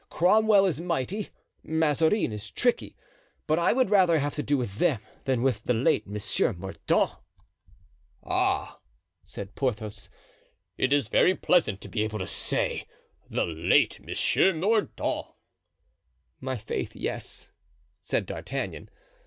Cromwell is mighty, Mazarin is tricky, but I would rather have to do with them than with the late Monsieur Mordaunt." "Ah!" said Porthos, "it is very pleasant to be able to say 'the late Monsieur Mordaunt.'" "My faith, yes," said D'Artagnan.